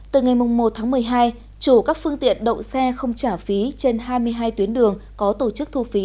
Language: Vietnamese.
từ ngày một tháng một mươi hai chủ các phương tiện đậu xe không trả phí trên hai mươi hai tuyến đường có tổ chức thu phí